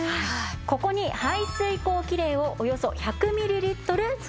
ここに排水口キレイをおよそ１００ミリリットル注ぎ入れます。